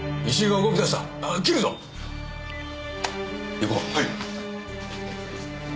はい。